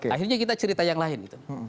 akhirnya kita cerita yang lain